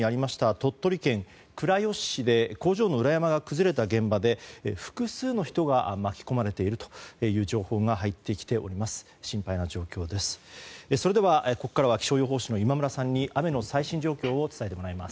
鳥取県倉吉市で工場の裏山が崩れた現場で複数の人が巻き込まれているという情報が入ってきています。